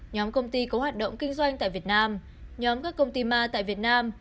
nhóm công ty có hoạt động kinh doanh tại việt nam nhóm các công ty ma tại việt nam